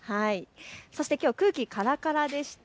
きょうは空気、からからでした。